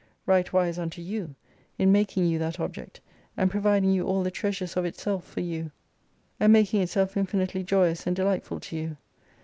Right wise unto you, in making you that object : and providing all the treasures of itself for you, and making itself infinitely joyous and delightful to you.